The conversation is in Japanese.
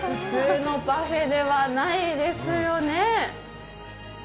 普通のパフェではないですよね。